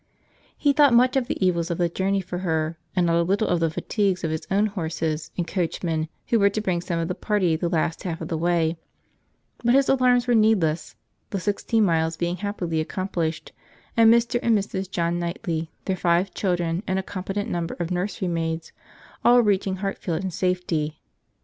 He thought much of the evils of the journey for her, and not a little of the fatigues of his own horses and coachman who were to bring some of the party the last half of the way; but his alarms were needless; the sixteen miles being happily accomplished, and Mr. and Mrs. John Knightley, their five children, and a competent number of nursery maids, all reaching Hartfield in safety.